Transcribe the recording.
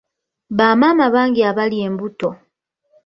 Bamaama bangi abali embuto.